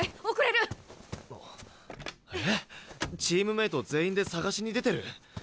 チームメート全員で捜しに出てる？